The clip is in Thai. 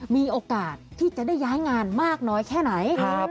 มีโอกาสที่จะได้ย้ายงานมากน้อยแค่ไหน